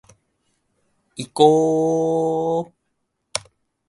いこーーーーーーぉ